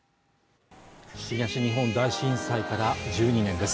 東日本大震災から１２年です。